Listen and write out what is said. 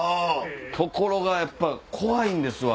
ところがやっぱ怖いんですわ。